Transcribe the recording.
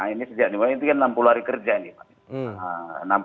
ini sejak dimulai itu kan enam puluh hari kerja ini pak